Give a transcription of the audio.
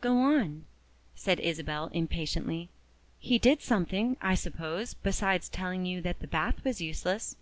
"Go on!" said Isabel impatiently. "He did something, I suppose, besides telling you that the bath was useless?"